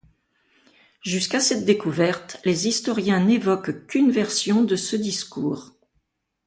Jusqu'à cette découverte, les historiens n'évoquent qu'une version de ce discours.